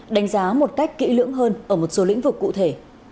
đánh giá một cách kỹ lưỡng hơn ở một số lĩnh vực cụ thể